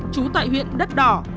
trú tại huyện đất đỏ